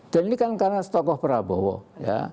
dan ini kan karena tokoh prabowo ya